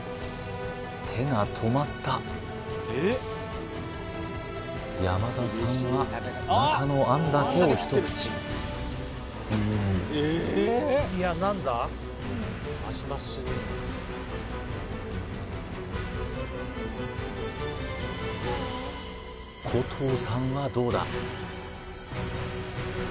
手が止まった山田さんは中の餡だけを一口古藤さんはどうだ？